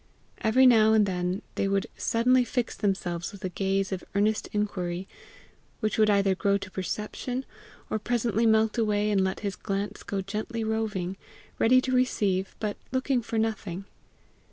Every now and then they would suddenly fix themselves with a gaze of earnest inquiry, which would either grow to perception, or presently melt away and let his glance go gently roving, ready to receive, but looking for nothing.